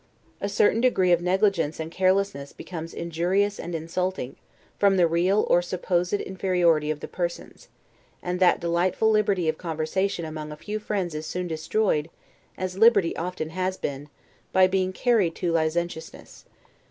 A certain degree of negligence and carelessness becomes injurious and insulting, from the real or supposed inferiority of the persons: and that delightful liberty of conversation among a few friends is soon destroyed, as liberty often has been, by being carried to licentiousness.